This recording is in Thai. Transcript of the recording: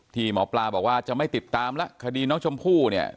ที่หมอปลาบอกว่าจะไม่ติดตามแล้วคดีน้องชมพู่เนี่ย